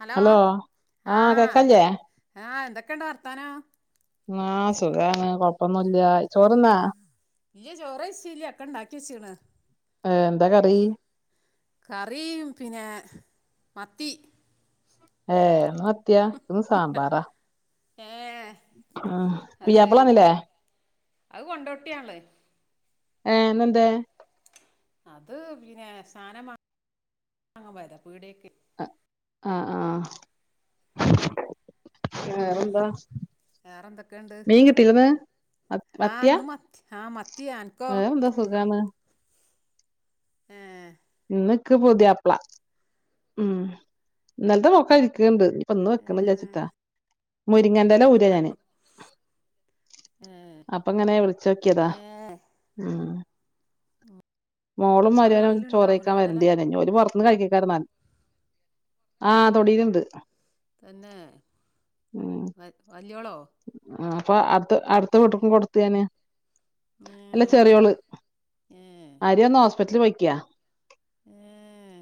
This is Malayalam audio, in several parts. ഹലോ ആഹ് ആഹ് എന്തൊക്കെയുണ്ട് വർത്താനോ ആഹ് സുഖാണ് കൊഴപ്പൊന്നു ഇല്ല ചോറിന്നോ ഇയ ചോറേച്ചീല്ലേ അക്ക ഉണ്ടാക്കിച്ചീണ് ഏഹ് എന്താ കറി കറി പിന്നെ മത്തി ഏഹ് മത്തിയാ. ഇന്ന് സാമ്പാറാ ഏ ഉം അത് പുയാപ്ല ശരി വന്നില്ലേ. അത് കൊണ്ടോട്ടിയാണല്ലേ. ഏനെന്തേ. അത് പിന്നെ സാധനം വാങ്ങാൻ പോയതാ പീടെക്കെ. ആഹ് ആഹ് വേറെ എന്താ. വേറെ എന്തൊക്കെയുണ്ട്. മീൻ കിട്ടിയോ ഇന്ന്. ആഹ് ഇന്ന് മത്തി ആഹ് മത്തി ആൻക്കോ. വേറെന്താ സുഖാണ് ഏഹ് ഇന്നിക്ക് പുതിയാപ്പ്ള ഉം ഇന്നലത്തെ മോൻ കഴിക്കണ്ട്. ഇന്ന് ഏ വെക്കണല്ലാ വിചാരിച്ചിട്ടാ മുരിങ്ങാന്റെ ഇല ഊര് ഞാന്- ഏ അപ്പ ഇങ്ങനെ വിളിച്ച് നോക്കിയതാ ഏ ഉം. മോളും നിങ്ങളെ മരുമോനും തൊടിയിലുണ്ടോ ചോറ് കഴിക്കാൻ മുരുങ്ങൻ്റെ ഇല? വരേണ്ടിന്നേ ജോലി പുറത്തിന്ന് കഴിക്കാ ഇരുന്നാൻ. ഏഹ് തന്നെ വ വലിയാളോ. ആഹ് അപ്പൊ അടുത്ത അടുത്ത വീടുക്കും കൊടുത്തു ഞാന് [unintelligible] അല്ല ചെറിയോള് ഏ ആര്യ ഒന്ന് ഹോസ്പിറ്റലിൽ പോയിരിക്കാ. ഏഹ്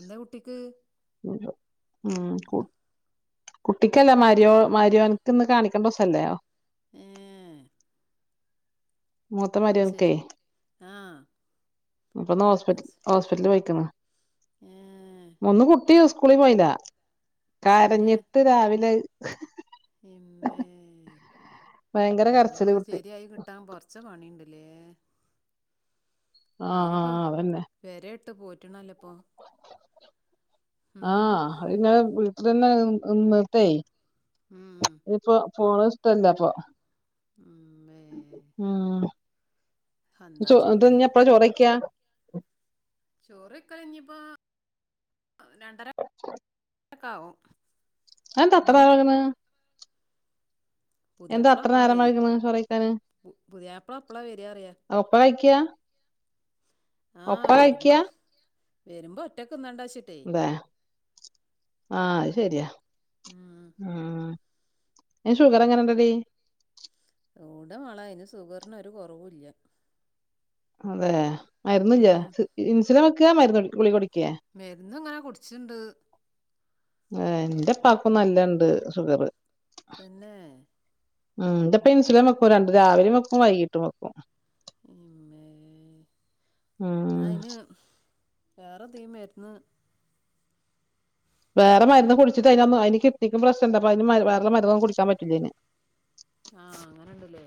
എന്താ കുട്ടിക്ക്. ഉം കുട്ടിക്കല്ല മരിയോ മരിയോനിക്ക് ഇന്ന് കാണിക്കേണ്ട ദിവസമല്ലേ. ഏഹ് മൂത്ത മരുമോൾക്കേ ശരി ആ അപ്പൊ ഇന്ന് അത് ഹോസ്പിറ്റൽ ശ ഹോസ്പിറ്റലിൽ പോയിക്കുന്നു. ഏ ഒന്ന് കുട്ടി സ്കൂളിൽ പോയില്ല കരഞ്ഞിട്ട് രാവിലെ പിന്നെ ഭയങ്കര അയിനിപ്പ കരച്ചില് അതു കുട്ടി ശരിയായി കിട്ട കിട്ടാൻ കുറച്ച് പണിയുണ്ടല്ലേ. ആഹ് അയിനിപ്പോ ആഹ് അതന്നെ പൊര ഇട്ട് പൂട്ടണമല്ലോ ഇപ്പോ. ആഹ് അത് ഇന്നലെ വിളിച്ചെണ്ടായിരുന്നു അന്നെട്ടെ ഉം അതിപ്പോ. ഫോണ് ഇഷ്ടല്ല അപ്പൊ. ഉം ഉം എന്താ ഇത് ചെയ്യ എപ്പഴാ ചോറ് കഴിക്കാ. ചോറൊക്കെ ഇനിയിപ്പോ രണ്ടരക്ക ആവും. അത് എന്താ അത്ര ഉം വൈകുന്നെ. എന്താ പുതിയാപ്ല അത്ര അപ്പലാ നേരം വെരാ വൈക്ണ് ചോറയ്ക്കാന് പുതിയാപ്ല അപ്പള് വെരാ അറിയ. ഒപ്പാ കഴിക്ക്യാ ആഹ് വരുമ്പ കഴിക്കാ വരുമ്പ ഒറ്റക്ക് തിന്നണ്ടാച്ചിട്ട്. ബെ ആഹ് അത് ശരിയാ ഉം ആഹ്. അയിന് ഷുഗറെങ്ങനെണ്ടടി. യോവ്ടെമളെ അയിന് ഷുഗറിനൊരു കൊറവൂല്ല്യാ അതെ മരുന്നില്ലേ ഉം ഇൻസുലിൻ വെക്കാ മരുന്ന് ഗുളിക കുടിക്കേ. മെര്ന്ന്ങ്ങനെ കുടിച്ചിണ്ട്. ഏഹ് ന്റെ ഉപ്പാക്കും നല്ലണ്ട് ഷുഗറ്. തന്നെ ഉം ഇന്റപ്പ ഇൻസുലിൻ വെക്കും രണ്ട് രാവിലിം വെക്കും വൈകീട്ട് വെക്കും. പിന്നേ ഉം ന്നാ അയിന് വേറെ എന്തെങ്കിലും മരുന്ന്. വേറെ മരുന്ന് ഉം കുടിച്ചിട്ട് അയിന് കിഡ്നിക്കും പ്രശ്നണ്ട് അപ്പ അയിന് വേറെ മരുന്നൊന്നും കുടിക്കാൻ പറ്റൂല അയിന്. ആഹ് അങ്ങനെണ്ട്ലേ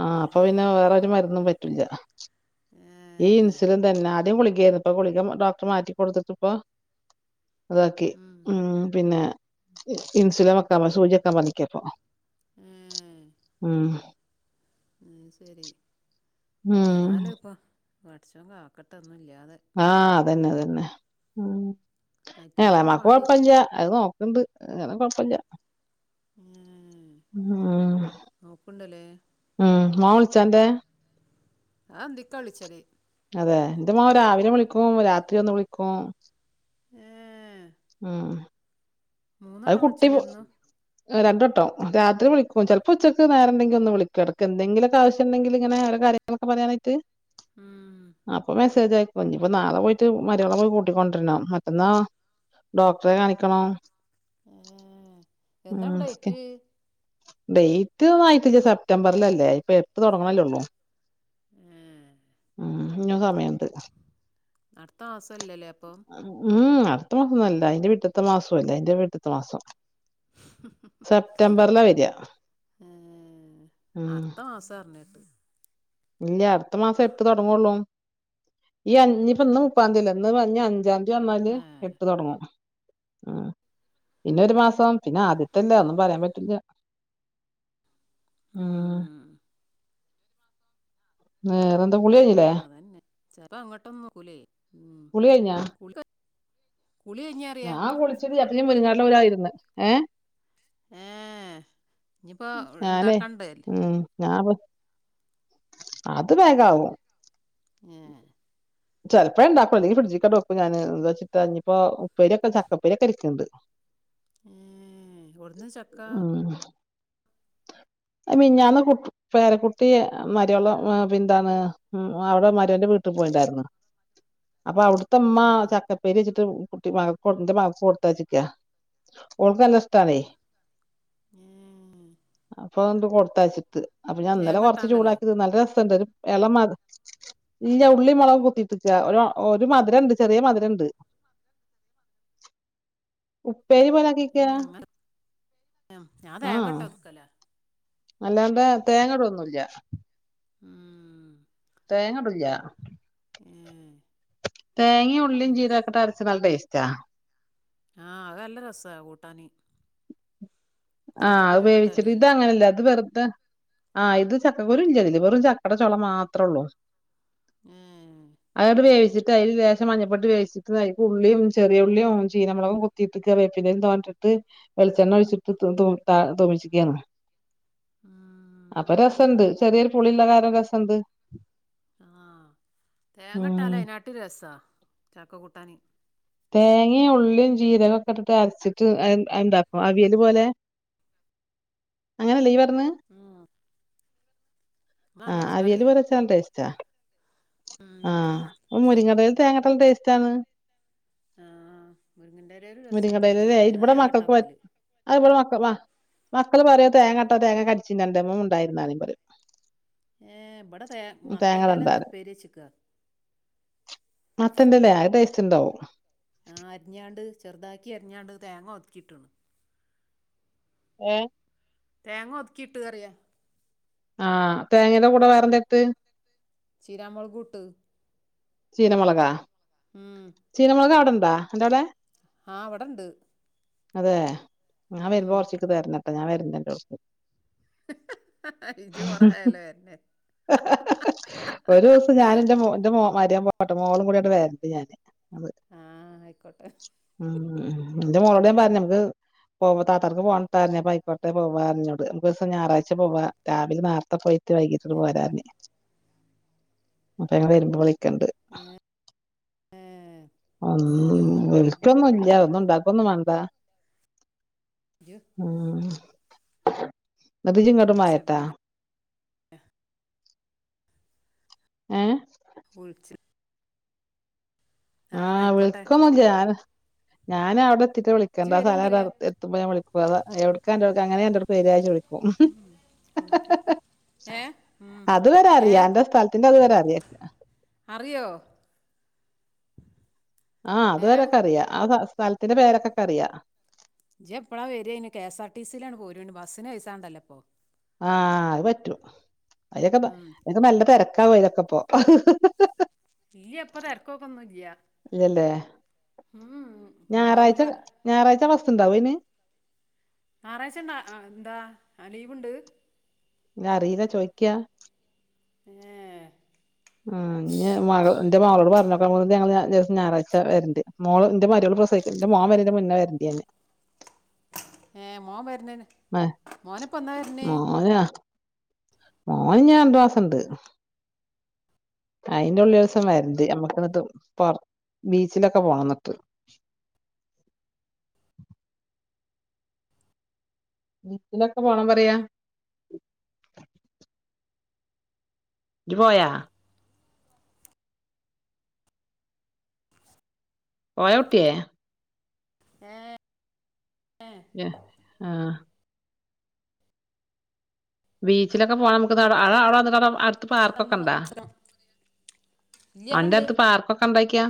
ആഹ് അപ്പൊ പിന്നെ വേറൊരു മരുന്നും പറ്റില്ല. ഏഹ്. ഈ ഇൻസുലിൻ തന്നെ ആദ്യം ഗുളികേര്ന്നു ഇപ്പൊ ഗുളിക ഡോക്ടർ മാറ്റി കൊടുത്തിട്ട്പ്പൊ അതാക്കി ഉം പിന്നെ ഇൻസുലൻ വെക്കാൻ സൂചിവെക്കാൻ പർഞ്ഞ്ക്കാപ്പൊ ഏഹ് ഉം [unintelligible] ശരി ഉം ഏതാലുപ്പോ ബാടച്ചോൻ കാക്കട്ടൊന്നുല്ല്യാതെ ആഹ് അതന്നെ അതന്നെ ഉം അയിറ്റങ്ങളെ എളാമാക്ക് പാടേറ്റ് കൊഴ്പ്പല്ല്യാ അത് നോ ക്ക്ണ്ട് അങ്ങനെ കൊഴ്പ്പല്ല്യാ ഏഹ് ആഹ് നോക്ക്ണ്ടല്ലേ ഉം മോൻവിളിച്ച അന്റെ അത്‌ അന്തിക്കാവിളിച്ചല് അതെ ന്റെ മോൻ രാവിലെ വിളിക്കും രാത്രി ഒന്ന് വിളിക്കും ഏഹ് ഉം അത് മൂന്നട്ടം കുട്ടി വിളിച്ചൂലേ ഇന്നും രണ്ടെട്ടം രാത്രി വിളിക്കും ചെൽപ്പോ ഉച്ചക്ക് നേരണ്ടെങ്കില് ഒന്ന് വിളിക്കും എടക്ക് എന്തെങ്കിലൊക്കെ ആവശ്യണ്ടെങ്കില്ങ്ങനെ ഒരോകാര്യ ങ്ങളൊക്കെ പറയാനായിറ്റ് ഉം അപ്പൊ മെസ്സേജ് അയക്കും ഞ്ഞിപ്പോ നാളെ പോയിട്ട് മരോളേ പോയി കൂട്ടിക്കൊണ്ടരണം മറ്റന്നാ ഡോക്ടറെ കാണിക്കണം ഏഹ് എന്നാ ഡേറ്റ് ഡേറ്റ്ന്നായിട്ട് സെപ്റ്റംബർലല്ലേ ഇപ്പൊ എട്ട് തുടങ്ങണല്ലേള്ളൂ ഏഹ് ഉം ഞ്ഞും സമയണ്ട് അടുത്തമാസല്ലലേ അപ്പം ഉം അടുത്ത മാസൊന്നല്ല അതിന്റെപിറ്റത്തെ മാസുഅല്ല അതിന്റെ പിറ്റത്തെ മാസം സെപ്റ്റംബറിലാ വരാ ഏഹ് അടുത്ത മാസാറിഞ്ഞേട്ട് ഇല്ല അടുത്ത മാസം എട്ട് തുടങ്ങുള്ളൂ ഈ അഞ്ഞ് ഞ്ഞിപ്പോ ഇന്ന് മുപ്പാന്തിയല്ലേ എന്ന് പറഞ്ഞ് അഞ്ചാംതി യതി വന്നാല് ഏഹ് എട്ട് തുടങ്ങും ഉം. പിന്നേ ഒരു മാസം പിന്നെ ആദ്യത്തല്ലേ ഒന്നും പറയാൻ പറ്റില്ല ഉം വേറെന്താ കുളികഴിഞ്ഞീലെ അന്നെ, ചെപ്പൊ അങ്ങോട്ടന്നും പോവൂലായ്. ഉം, കുളി കഴിഞ്ഞാ കുളി കഴ കുളി കഴിഞ്ഞ ഞാൻ കുളിച്ചിട്ടില്ല അപ്പൊ ഞാൻ മുരിങ്ങന്റല ഊരായിരുന്ന് ഏഹ് ഏഹ് ഇഞ്ഞിപ്പോ ഉണ്ടാക്കണ്ട് അല്ലേ ഞാപ്പോ അത് വേഗാവും ഏഹ് ചെൽപ്പോണ്ടാക്കും അല്ലെങ്കി ഫ്രിഡ്ജ്ക്കാണ്ട് വെക്കും ഞാന് വെച്ചിട്ട് ഇഞ്ഞിപ്പോ ഉപ്പേരി ഒക്കെ ചക്കപ്പേരി ഒക്കെ ഇരിക്കുണ്ട് ഏഹ് ഓട്ന്നാചക്കാ അ മിന്നാന്ന് കു പേരക്കുട്ടിയെ മരോളോ പിന്താണ് ഉം അവിടെ മരോന്റെ വീട്ടിൽ പോയിണ്ടായിരുന്നു അപ്പൊ അവ്ടെ ത്തെമ്മ ഏഹ് ചക്കപ്പേരി വെച്ചിട്ട് കുട്ടി മാൾ [unintelligible] ഇൻ്റെ മകൾക്ക് കൊടുത്തയ്ച്ചിക്ക ഓൾക്ക് നല്ല ഇഷ്ടാണേ ഉം ഏഹ് അപ്പൊ അതണ്ട് കൊടുത്തയച്ചിട്ട് അപ്പൊ ഞാൻ ഇന്നലെ കൊറച്ച് തേങ്ങട്ടാണ്ടല്ലേ ചൂടാക്കി തിന്ന് നല്ല രസണ്ട് ഒരു ഇളമാ ഇല്ല ഉള്ളി മുളക് കുത്തിട്ട്ക്ക ഒരു ഒരു മധുര ഉണ്ട് ചെറിയ മധുരണ്ട് ഉപ്പേരി പോലെ ഏ അങ്ങനെ ഞാൻ തേങ്ങട്ട് വെക്കലാ അല്ലാണ്ടെ തേങ്ങ ഇടൊന്നുല്ല ഉം തേങ്ങ ഇടുല്ല ഏഹ് തേങ്ങയും ഉള്ളിം ജീരകട്ട് അര്ച്ചാ നല്ല ടേസ്റ്റാ ആഹ് അത് നല്ല രസാണ് കൂട്ടാന് ആഹ് അത് ചക്കക്കുരുക്കെ വേവിച്ചിട്ട് ഇട്ടാലേ ഇത അങ്ങനല്ല അത് വെറുതെ ആഹ് ഇത് ചക്ക കുരു ഇല്ലതില് വെറും ചക്കട ചൊള മാത്രേ ഉള്ളൂ ഏഹ് അതങ്‌ട്ട് വേവിച്ചിട്ട് തൈൽ ലേശം മഞ്ഞപ്പെട്ട് വേിച്ചിട്ട് തൈക്ക് ഉള്ളിയും ചെറിയുള്ളിയും ചീനമുളകും കൊത്തിട്ട്ക്ക [unintelligible] തോനട്ട്ട്ട് വെൾചെണ്ണ ഒഴിച്ചി തൂ താ തൂമിച്ചിക്കായ്നു അപ്പൊ ഉം രസണ്ട് ചെറിയൊരു പുളിള്ള കാര്യം രസണ്ട് ആ ഉം തേങ്ങട്ടാലേ അയ്നാട്ടിൽ രസാ ചക്ക കൂട്ടാന് തേങ്ങയും ഉള്ളിയും ജീരക ഒക്കെ ഇട്ടിട്ട് അരച്ചിട്ട് എ എന്താ പ്പോ അവിയല് പോലെ അങ്ങനെയല്ലേ ഈ പർഞ്ഞ ആഹ് ആ അവിയല് പറയാ പറച്ചാ ടേസ്റ്റാ ഉം ആ മുരിങ്ങടയിൽ തേങ്ങട്ടാലും ടേസ്റ്റ് ആണ് ആഹ് മുര്ങ്ങൻ്റെലേൽ രസാ തേങ്ങട്ടാ ല്ല് ഞാൻ തേങ്ങട്ടാവെക്കല് അതുപോലെ മക്ക മക്കള് പറയാ തേങ്ങ ട്ടാ തേങ്ങ കടിച്ചിണ്ട് [unintelligible] മുണ്ടാതിര്ന്നാമതി പറിം ഏഹ് ഇവടെ മത്തൻ്റെല ഇന്ന് തേങ്ങടണ്ടാല് ഉപ്പേരി വെച്ച്ക്ക മത്തന്റെലേ അത് ടേസ്റ്റ്ണ്ടാവും ആ അരിഞ്ഞാണ്ട് ചെറുതാക്കി അരിഞ്ഞാണ്ട് തേങ്ങ ഒതുക്കിട്ട്ണ് ഏ തേങ്ങ ഒതുക്കിട്ട് അറിയ ആ തേങ്ങയുടെ കൂടെ വേറെ എന്തട്ട് ചിരാമുളകൂട്ട് ചീരമുളക ഉം ചീനമുളക് അവിടെണ്ടോ അൻ്റോടെ ആ വടെണ്ട് അതെ ഞാൻ വരുമ്പോ കൊർച്ചീക്ക് തരണട്ടൊ ഞാൻ വര്ണ്ട് അൻ്റോട്ക്ക് ഇജ് കൊറായാല്ലോ വര്ന് ഒരു ദിവസം ഞാനും എൻ്റെ മോ എൻ്റെ മോ മരോൻ പോട്ടെ മോളും കൂടട്ട് വരണ്ട് ഞാന് അത് ആഹ് ആയിക്കോട്ടെ ഉം എന്റെ മോളോട് ഞാൻ പർഞ്ഞമുക്ക് പോവ താത്താർക്ക് പോണ്ടായിഞ്ഞ പയിക്കോട്ടെ പോവാ പറഞ്ഞോട് നമുക്ക് ഞായറാഴ്ച പോവാ രാവിലെ നേരത്തെ പോയി ട്ട് വൈകിട്ട് പോരാർഞ്ഞ് അപ്പ ഞങ്ങൾ വരുമ്പോ വിളിക്കണ്ട് ഒന്നും വിളിക്കൊന്നുംല്ല ഒന്നും ഉണ്ടാക്കൊന്നും വേണ്ട ഇജ് ഉം ന്നട്ട് ഇജ്ങ്ങട്ടും വിളിച്ച് വായട്ടാ പിന്നെ ഏഹ് ഉൾച് ആഹ് ആയിക്കോട്ടെ വെൽക്കംല്ലർ ഞാനൻവിടെ എത്തിട്ട് ജു വിളിക്കണ്ട ആഹ് വരുന്നുണ്ട് സ്ഥലംവി അറിയാ എത്തുമ്പോ ഞാ വിളിക്കും അഹ് എവിടക്ക എന്റെറർ അനെ എന്റെറെക്ക് പര്യാച്ച വിളിക്കും ഉം കൊണ്ടോട്ടി ഏ ഉം. അത്വരെ ഏ അറിയ എന്റെ സ്ഥലത്തിന്റെ അതുവരെ അറിയ അറിയോ ആഹ് ഏ അതുവരൊക്കെ അറിയാ ആഹ് സ്ഥലത്തിന്റെ പേരൊക്കൊക്കെ അറിയാ ജ്ജ് എപ്പോഴാ വരയ അന് കെ എസ് ആർ ടി സീയിലാണ് പോരുണ്ട് ബസ്സിന് വൈസാണ്ടല്ലോപ്പോ ആഹ് അത് പറ്റൂ അതൊക്കെെ മല്ല തിര ക്കയതൊക്കെ പോ [unintelligible] ഈ എപ്പ തിരക്കോക്കെ നിക്കിയ ഇല്ലല്ലേ ഉം ഉണ്ടാവൂല ഞായറഴ്ച ബസ് ഉണ്ടാവോ അയ്ന ഞായറാഴ്ച ഉണ്ട എന്താ ലീവ്ണ്ട് ഞാൻ അറീല്ല ചോയ്ക്കാ ഏഹ് ആഹ് ഇനിമകൾ എന്റെ മകൾ പറഞ്ഞു അപ്പഞ്ഞിങ്ങള് ഞാറാഴ്ച വരണ്ട് മോള് എന്റെ മരോൾ പ്രസിവിക്ക് എന്റെ മോൻ വര്ണീന്റെ മുന്നേ വരണ്ട് ഞാൻ ഏഹ് മോൻവരുന്നീൻ മോനപ്പന്നാ വരുന്നേ [unintelligible] മോന് ഇനി രണ്ട്മാസണ്ട് അയിന്റെ ഉള്ളിലൊരീസം വരണ്ട് നമ്മക്ക്ന്നിട്ട്പൊറ ബീച്ചിലൊക്കെ പോണംന്നിട്ട് ബീച്ചിലൊക്കെ പോണം പറയാ ഇജ് പോയ പോയോകുട്ട്യേ ഏഹ് ഏഹ് [unintelligible] ആഹ് ബീച്ചിലൊക്കെ പോണമ്മ്ക്ക് അവടെന്നട്ട് അടുത്ത പാർക്കൊക്കെ അന്നു ഉണ്ടാ ഇല്ല ഇവിടെ ഉണ്ട് അന്റെഅടുത്ത്പ് പാർക്കൊക്കെണ്ടാക്കിയാ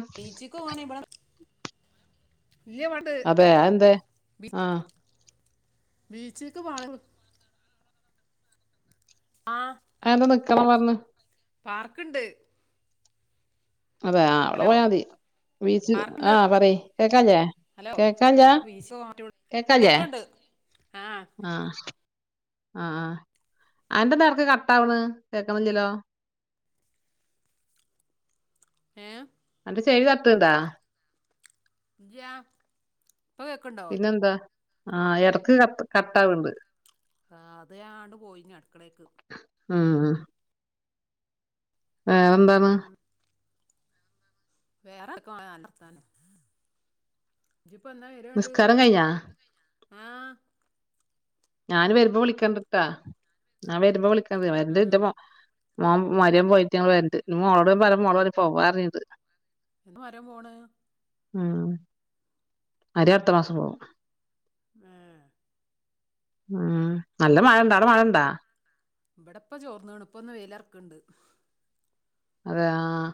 ഇല്ല്യ അതെ അത് എന്തേയ് ആഹ് ബീച്ചിക്ക് [unintelligible] ആഹ് അഹ് എന്തനിക്കണ പറഞ്ഞു പാർക്കുണ്ട് അതെ അവിടെ ഹലോ പോയാതി ബീച്ച് പാർക്കുണ്ട് ആഹ് പറയ് കേക്കാല്ലേ കേക്കാല്ലാ [unintelligible] കേൾക്കാണ്ട് ആഹ് ആഹ് അഹ് അന്റെന്താ ഇടക്ക് കട്ടആവണ് കേക്കണല്ലല്ലോ ഏഹ് അന്റെ ചെവിതട്ട്ണ് ണ്ടാ ഇല്ലാ പിന്നെന്താ ആഹ് ഇടക്ക് ക കട്ടാവൺണ്ട് അത് ഞാനണ്ട് പോയിന്ന് അടുക്കളേക്ക് ആഹ് വേറെന്താണ് ആഹ് വേറേർക്കാ നല്ലർത്താനം ഇജിപ്പന്നാവരങ്ങട്ട് നിസ്കാരം കഴിഞ്ഞാ ആഹ് ഞൻ വരുമ്പോ വിളിക്കണ്ടിട്ടാ ഞാൻ വരുമ്പോ വിളിക്കണ്ട് ഉം വരണ്ട്ന്റെ മോൻ മോൻ മാരൊ പോയിട്ട് ങ്ങങ്ങള് വരണ്ട് മോളോട് ഞാപറഞ പ്പോ പോവാറഞ്ഞീട്ടണ്ട് [unintelligible] ആഹ് മരോ അടുത്ത മാസം പോവും ആഹ് ആഹ് നല്ല മഴണ്ട അവിടെ മഴണ്ടാ ഇപടെ ഇപ്പ ചോർന്ന്ണ് ഇപ്പൊന്ന് വെയിലറക്കുണ്ട് അതെയ് ആഹ്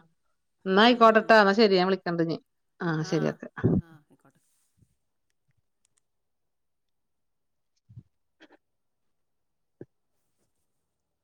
ഇന്ന ആയിക്കോട്ടെട്ടൊ ന്നാ ശെരി ഞാ വിളിക്കണ്ടിനി ആഹ് ആഹ് അയ്ക്കോട്ടെ